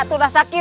itu udah sakit